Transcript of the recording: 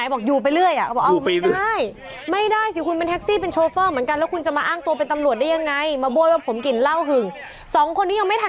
บอกไปเปล่าไปเปล่าไปสอนอกกับผมเปล่า